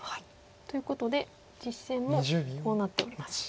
ということで実戦もこうなっております。